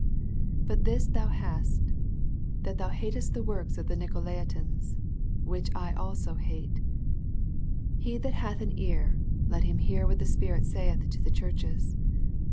But this thou hast, that thou hatest the works of the Nicolaitans, which I also hate. He that hath an ear, let him hear what the Spirit saith to the churches.